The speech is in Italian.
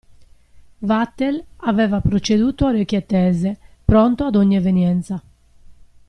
Vatel aveva proceduto a orecchie tese, pronto a ogni evenienza.